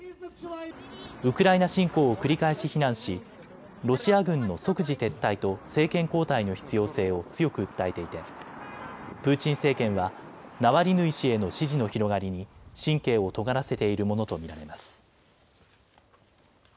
ウクライナ侵攻を繰り返し非難しロシア軍の即時撤退と政権交代の必要性を強く訴えていてプーチン政権はナワリヌイ氏への支持の広がりに神経をとがらせているものと見られます。